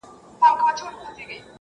د دې شهید وطن په برخه څه زامن راغلي-